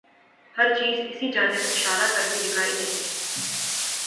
ہر چیز اسی جانب اشارہ کرتی دکھائی دیتی ہے۔